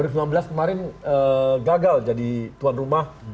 dua ribu sembilan belas kemarin gagal jadi tuan rumah